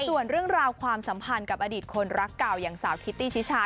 ส่วนเรื่องราวความสัมพันธ์กับอดีตคนรักเก่าอย่างสาวคิตตี้ชิชา